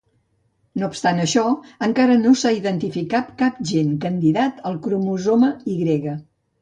No obstant això, encara no s'ha identificat cap gen candidat al cromosoma Y.